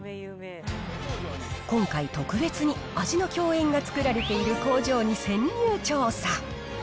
今回、特別に味の饗宴が作られている工場に潜入調査。